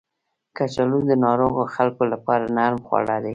کچالو د ناروغو خلکو لپاره نرم خواړه دي